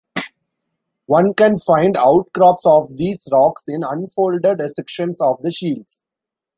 One can find outcrops of these rocks in unfolded sections of the Shields.